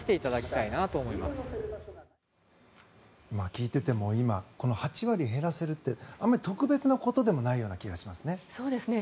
聞いていても今、この８割減らせるってあまり特別なことでもないような気がしますね。